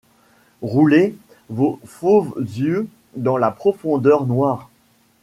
Rouler vos fauves yeux dans la profondeur noire